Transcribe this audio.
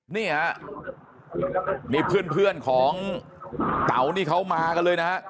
นี่ฮะมีเพื่อนของเต๋านี่เขามากันเลยนะฮะ